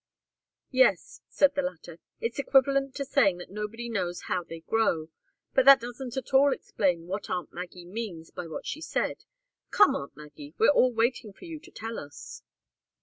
"Yes," said the latter. "It's equivalent to saying that nobody knows how they grow. But that doesn't at all explain what aunt Maggie means by what she said. Come, aunt Maggie, we're all waiting for you to tell us."